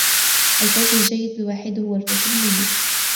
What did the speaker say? الفاشي الجيد الوحيد هو الفاشي الميت.